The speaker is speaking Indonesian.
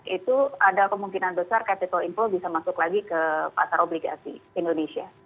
itu ada kemungkinan besar capital inflow bisa masuk lagi ke pasar obligasi indonesia